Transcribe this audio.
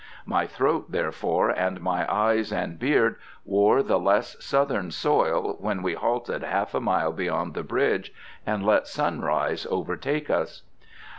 My throat, therefore, and my eyes and beard, wore the less Southern soil when we halted half a mile beyond the bridge, and let sunrise overtake us.